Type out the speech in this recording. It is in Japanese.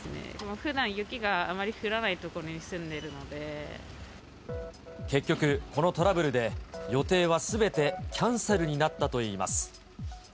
ふだん、雪があまり降らない所に結局、このトラブルで予定はすべてキャンセルになったといいます。